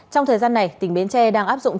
trong thời gian này tỉnh bến tre đang áp dụng